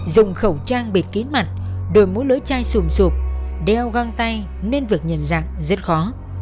dùng khẩu trang bịt kín mặt đôi mũi lưỡi chai sùm sụp đeo găng tay nên việc nhận dạng rất khó